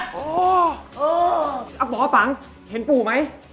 เอ้าบอกว่าปังเห็นปูไหม